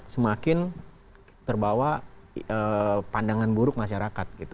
semakin terbawa pandangan buruk masyarakat gitu